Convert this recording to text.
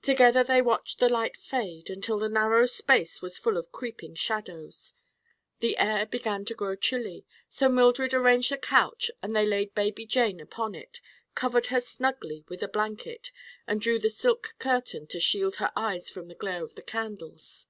Together they watched the light fade until the narrow space was full of creeping shadows. The air began to grow chilly, so Mildred arranged the couch and they laid baby Jane upon it, covered her snugly with a blanket and drew the silk curtain to shield her eyes from the glare of the candles.